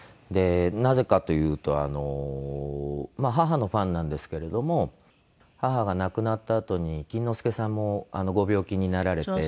なぜかというとあの母のファンなんですけれども母が亡くなったあとに錦之介さんもご病気になられて入院されてですね。